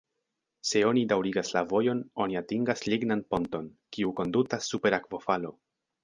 Se oni daŭrigas la vojon oni atingas lignan ponton, kiu kondutas super akvofalo.